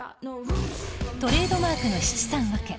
トレードマークの七三分け